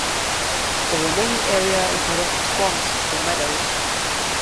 The remaining area is made up of swamps or meadows.